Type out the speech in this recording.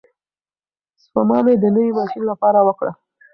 سپما مې د نوي ماشین لپاره وکړه.